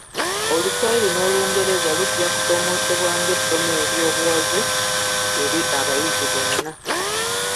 Oluswayiri n’Olungereza lujja ku somesebwa nga essomo eryo buwaze eri abayizi bonna.